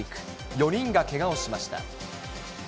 ４人がけがをしました。